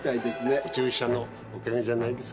注射のおかげじゃないですか？